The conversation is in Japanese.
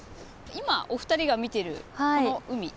今お二人が見てるこの海。